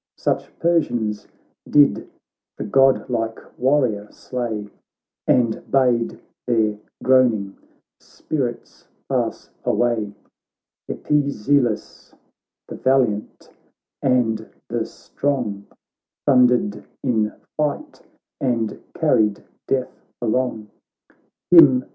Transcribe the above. Such Persians did the godlike warrior slay, And bade their groaning spirits pass away. Epizelus, the valiant and the strong, Thundered in fight, and carried death along ; Him.